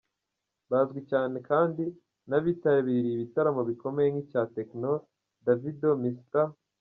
Bazwi cyane kandi n’abitabiriye ibitaramo bikomeye nk’icya Tekno, Davido, Mr.